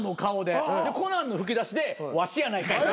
でコナンの吹き出しで「ワシやないかい」